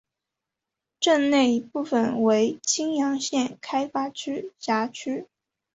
镇内一部分为青阳县开发区辖区。